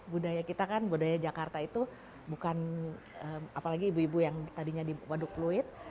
budaya kita kan budaya jakarta itu bukan apalagi ibu ibu yang tadinya di waduk pluit